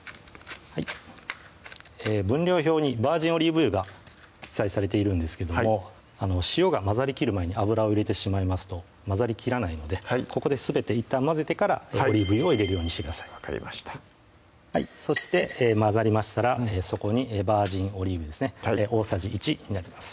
分量表にバージンオリーブ油が記載されているんですけども塩が混ざりきる前に油を入れてしまいますと混ざりきらないのでここですべていったん混ぜてからオリーブ油を入れるようにしてくださいそして混ざりましたらそこにバージンオリーブ油ですね大さじ１になります